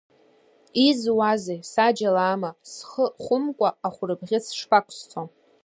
Изуазеи, саџьал аама, схы хәымкәа ахәырбӷьыц шԥақәсҵо!